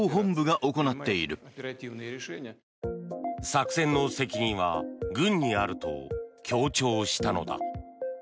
作戦の責任は軍にあると強調したのだ。